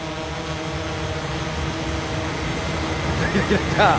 やった！